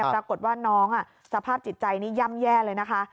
ปรากฏว่าน้องสภาพจิตใจนี่ย่ำแย่เลยนะคะ